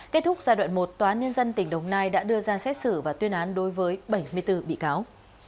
kết thúc giai đoạn một tòa án nhân dân tỉnh đồng nai đã đưa ra xét xử và tuyên án đối với bảy mươi bốn bị cáo